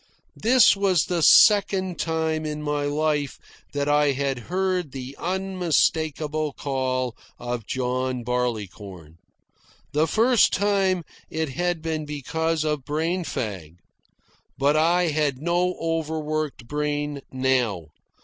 This was the second time in my life that I had heard the unmistakable call of John Barleycorn. The first time it had been because of brain fag. But I had no over worked brain now.